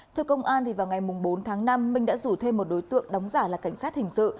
theo công an vào ngày bốn tháng năm minh đã rủ thêm một đối tượng đóng giả là cảnh sát hình sự